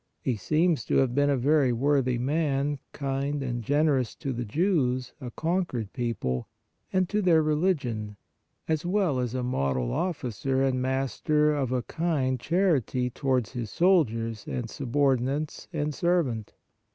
He seems to have been a very worthy man, kind and generous to the Jews, a conquered people, and to their religion, as well as a model officer and master full of a kind charity towards his soldiers and sub ordinates and servant.